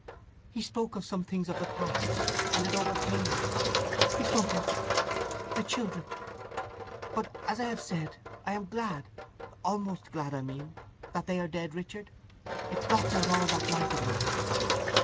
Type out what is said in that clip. He spoke of some things of the past, and it overcame me. He spoke of—the children. But, as I have said, I am glad—almost glad I mean—that they are dead, Richard. It blots out all that life of mine!"